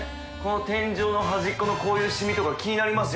海療薫罎端っこのこういうシミとか気になりますよ